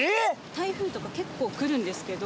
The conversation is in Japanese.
台風結構来るんですけど。